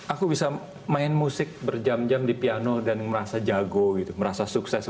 aku bisa main musik berjam jam di piano dan merasa jago gitu merasa sukses